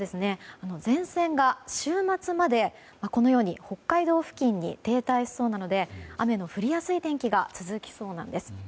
前線が週末まで北海道付近に停滞しそうなので雨の降りやすい天気が続きそうなんです。